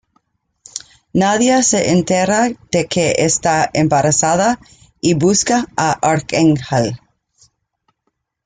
Nadia se entera de que está embarazada y busca a Arcángel.